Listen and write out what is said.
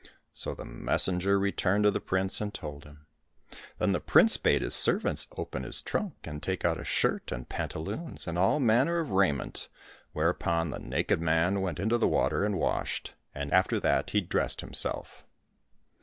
So the messenger returned to the prince and told him. Then the prince bade his servants open his trunk and take out a shirt and pantaloons and all manner of raiment, whereupon the naked man went into the water and washed, and after that he dressed 1 Naked. 269 COSSACK FAIRY TALES himself.